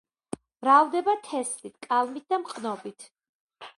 მრავლდება თესლით, კალმით და მყნობით.